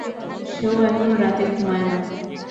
সেও এখন রাতে ঘুমায় না।